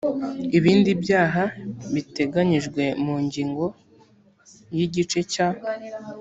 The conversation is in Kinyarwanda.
ibindi byaha biteganyijwe mu ngingo ya igice cya